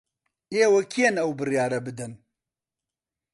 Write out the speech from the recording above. ئێوە کێن ئەو بڕیارە بدەن؟